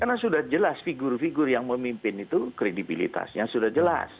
karena sudah jelas figur figur yang memimpin itu kredibilitasnya sudah jelas